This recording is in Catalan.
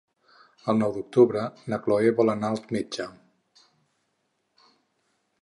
El nou d'octubre na Cloè vol anar al metge.